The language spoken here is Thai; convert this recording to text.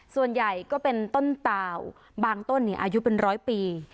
ส่วนใหญ่ก็เป็นต้นเต่าบางต้นอายุเป็นร้อยปี